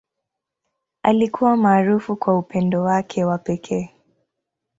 Alikuwa maarufu kwa upendo wake wa pekee.